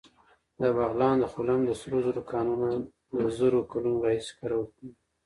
د بغلان د خلم د سرو زرو کانونه د زرو کلونو راهیسې کارول کېږي